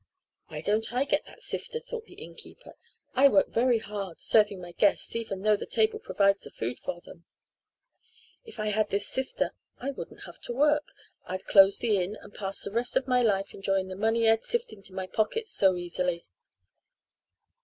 "Why don't I get that sifter?" thought the innkeeper. "I work very hard serving my guests even though the table provides the food for them. If I had this sifter I wouldn't have to work. I'd close the inn and pass the rest of my life enjoying the money I'd sift into my pockets so easily."